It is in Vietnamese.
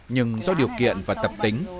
nhưng do điều kiện và tập tính